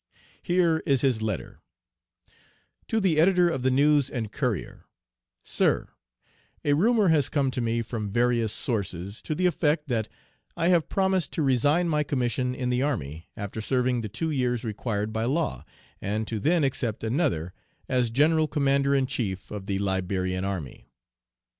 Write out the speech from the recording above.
Here is his letter: To the Editor of The News and Courier: "'SIR: A rumor has come to me from various sources, to the effect that I have promised to resign my commission in the army after serving the two years required by law, and to then accept another as General Commander in Chief of the Liberian Army.